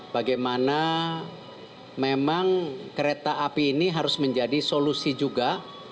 bagaimana memang kereta api ini harus menjadi solusi juga